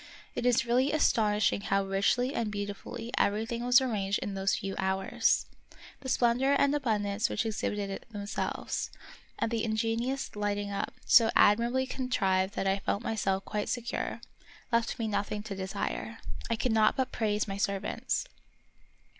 It is really aston ishing how richly and beautifully everything was arranged in those few hours. The splendor and abundance which exhibited themselves, and the ingenious lighting up, so admirably contrived that I felt myself quite secure, left me nothing to desire. I could not but praise my servants.